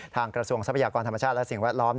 กระทรวงทรัพยากรธรรมชาติและสิ่งแวดล้อม